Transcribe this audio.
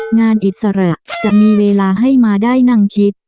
อิสระจะมีเวลาให้มาได้นั่งคิด